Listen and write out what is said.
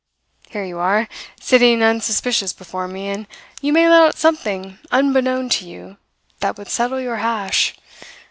Here you are, sitting unsuspicious before me, and you may let out something unbeknown to you that would settle your hash.